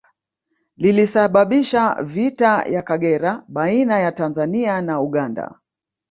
Lilisababisha vita ya Kagera baina ya Tanzania na Uganda